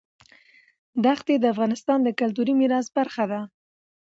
دښتې د افغانستان د کلتوري میراث برخه ده.